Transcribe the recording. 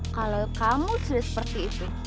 kalau kamu sudah seperti itu